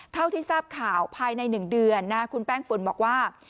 เท่าที่ทราบข่าวภายใน๑เดือนคุณแป้งปุ่นบอกว่า